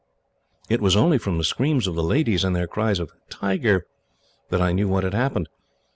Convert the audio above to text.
It was only from the screams of the ladies, and their cries of 'Tiger!' that I knew what had happened.